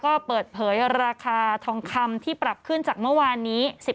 ก็เปิดเผยราคาทองคำที่ปรับขึ้นจากเมื่อวานนี้